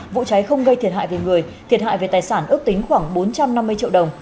vụ cháy không gây thiệt hại về người thiệt hại về tài sản ước tính khoảng bốn trăm năm mươi triệu đồng